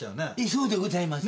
そうでございます。